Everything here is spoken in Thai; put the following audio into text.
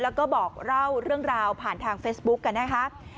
แล้วก็บอกเล่าเรื่องราวผ่านทางเฟซบุ๊กกันนะคะ